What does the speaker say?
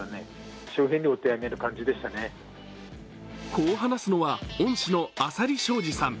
こう話すのは恩師の浅利昭治さん。